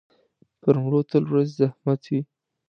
پر مړو تل ورځي زحمت.